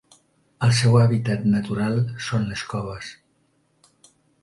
El seu hàbitat natural són les coves.